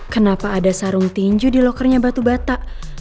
kenapa ada sarung tinju di lokernya batu bata